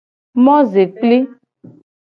Mozekpli.